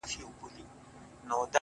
چي هغه نه وي هغه چــوفــــه اوســــــي _